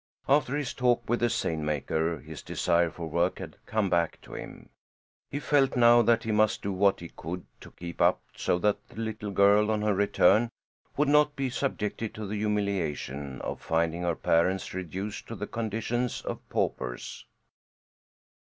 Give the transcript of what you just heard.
After his talk with the seine maker his desire for work had come back to him. He felt now that he must do what he could to keep up so that the little girl on her return would not be subjected to the humiliation of finding her parents reduced to the condition of paupers.